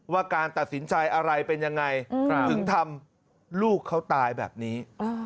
ว่าการตัดสินใจอะไรเป็นยังไงถึงทำลูกเขาตายแบบนี้